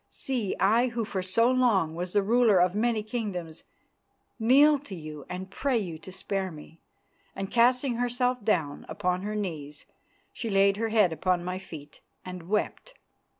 See, I who for so long was the ruler of many kingdoms, kneel to you and pray you to spare me," and, casting herself down upon her knees, she laid her head upon my feet and wept.